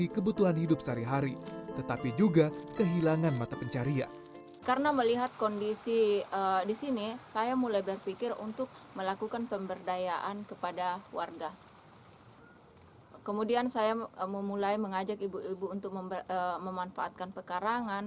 kemudian saya memulai mengajak ibu ibu untuk memanfaatkan pekarangan